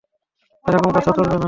এরকম কথা বলবে না।